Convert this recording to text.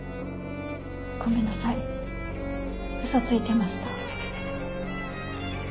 ごめんなさい嘘ついていました。